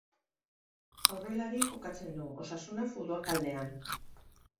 Aurrelari jokatzen du, Osasuna futbol taldean.